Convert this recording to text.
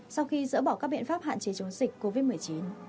sau khi dỡ bỏ các biện pháp hạn chế chống dịch covid một mươi chín